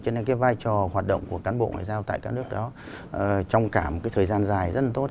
cho nên cái vai trò hoạt động của cán bộ ngoại giao tại các nước đó trong cả một cái thời gian dài rất là tốt